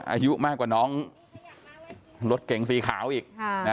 อายุมากกว่าน้องรถเก่งสีขาวอีก